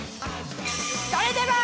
［それでは］